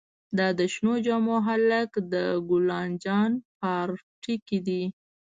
دا د شنو جامو هلک د ګلا جان پارکټې دې.